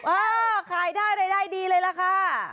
เออขายได้รายได้ดีเลยล่ะค่ะ